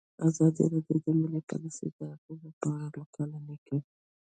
ازادي راډیو د مالي پالیسي د اغیزو په اړه مقالو لیکلي.